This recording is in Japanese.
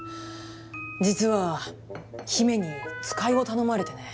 実は姫に使いを頼まれてね。